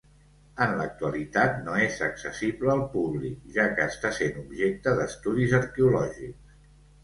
En l'actualitat no és accessible al públic, ja que està sent objecte d'estudis arqueològics.